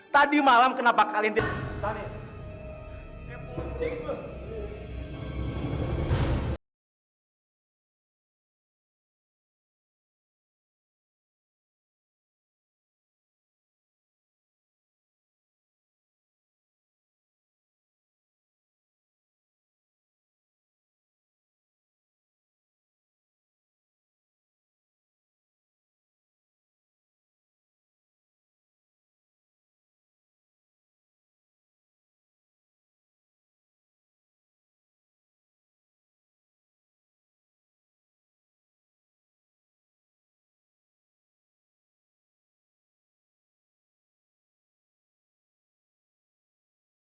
tadi malam kenapa kalian